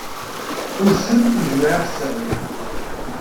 Uccen ijemmeɛ iɣessan.